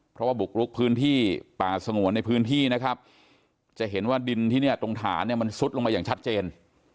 เพราะว่าบุกลุกพื้นที่ป่าสงวนในพื้นที่นะครับจะเห็นว่าดินที่เนี่ยตรงฐานเนี่ยมันซุดลงมาอย่างชัดเจน